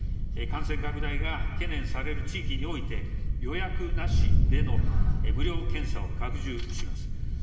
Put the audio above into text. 感染拡大が懸念される地域において、予約なしでの無料検査を拡充します。